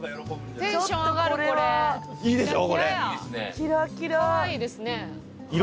キラキラや。